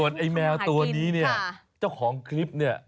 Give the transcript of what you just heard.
ไอ้แมวตัวนี้เนี่ยเจ้าของคลิปเนี่ย